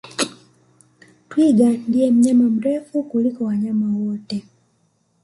Twiga ndiye mnyama mrefu kuliko wanyama wote